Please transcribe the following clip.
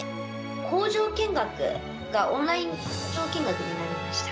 工場見学がオンライン見学になりました。